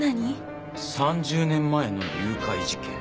３０年前の誘拐事件。